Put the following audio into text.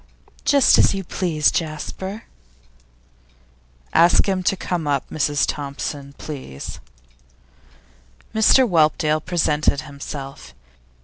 'Just as you please, Jasper.' 'Ask him to come up, Mrs Thompson, please.' Mr Whelpdale presented himself.